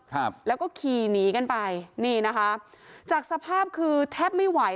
ครับแล้วก็ขี่หนีกันไปนี่นะคะจากสภาพคือแทบไม่ไหว